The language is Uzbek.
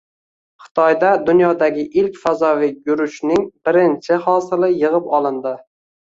Xitoyda dunyodagi ilk “fazoviy guruch”ning birinchi hosili yig‘ib olindi